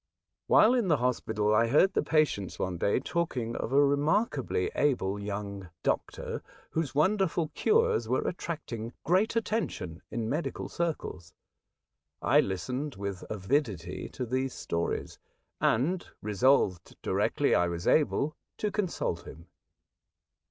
While in the hospital I heard the patients one day talking of a remarkably able young doctor, whose wonderful cures were attracting great attention in medical circles. I listened with avidity to these stories, and resolved directly I was able to consult him.